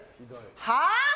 はあ？